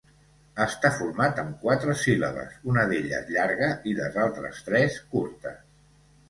Està format amb quatre síl·labes, una d'elles llarga i les altres tres curtes.